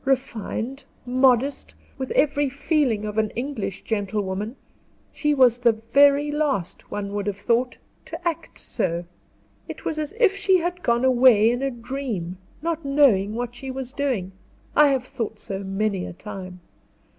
Refined, modest, with every feeling of an English gentlewoman, she was the very last, one would have thought, to act so. It was as if she had gone away in a dream, not knowing what she was doing; I have thought so many a time.